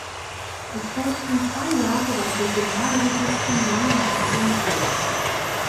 Es folgten zwei Jahre beim Regionalligisten Langenhagen Jets.